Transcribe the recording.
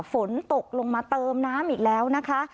ฝนตกลงมาเติมน้ำอีกแล้วนะคะ